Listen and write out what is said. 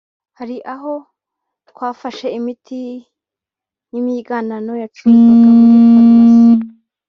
“Hari aho twafashe imiti y’imyiganano yacuruzwaga muri za Farumasi